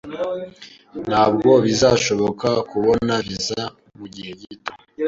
Ntabwo bizashoboka kubona viza mugihe gito.